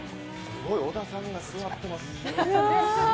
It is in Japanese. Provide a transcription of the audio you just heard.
すごい織田さんが座ってます。